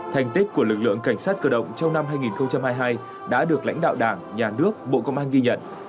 thành tích của lực lượng cảnh sát cơ động trong năm hai nghìn hai mươi hai đã được lãnh đạo đảng nhà nước bộ công an ghi nhận